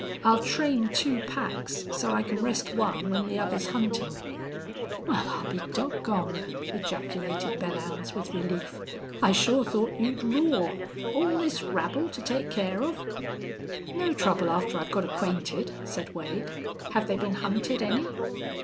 I'll train two packs, so I can rest one when the other's huntin'." "Wal, I'll be dog goned!" ejaculated Belllounds, with relief. "I sure thought you'd roar. All this rabble to take care of!" "No trouble after I've got acquainted," said Wade. "Have they been hunted any?"